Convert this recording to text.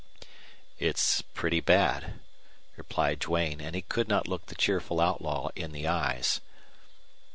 "It's pretty bad," replied Duane; and he could not look the cheerful outlaw in the eyes.